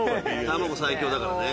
卵最強だからね。